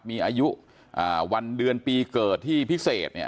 มีอายุวันเดือนปีเกิดที่พิเศษเนี่ย